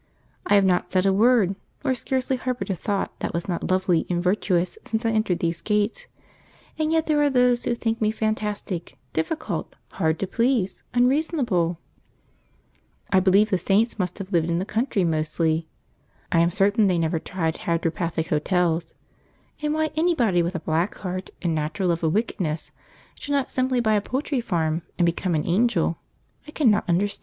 I have not said a word, nor scarcely harboured a thought, that was not lovely and virtuous since I entered these gates, and yet there are those who think me fantastic, difficult, hard to please, unreasonable! {The last of June: p93.jpg} I believe the saints must have lived in the country mostly (I am certain they never tried Hydropathic hotels), and why anybody with a black heart and natural love of wickedness should not simply buy a poultry farm and become an angel, I cannot understand.